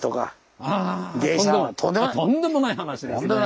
とんでもない話ですね！